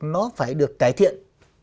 nó phải được cải thiện